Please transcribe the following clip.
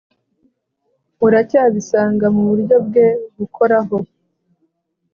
uracyabisanga muburyo bwe bukoraho